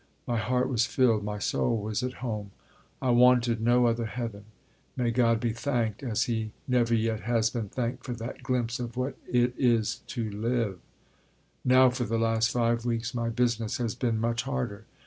My heart was filled. My soul was at home. I wanted no other heaven. May God be thanked as He never yet has been thanked for that glimpse of what it is to live. Now for the last five weeks my business has been much harder.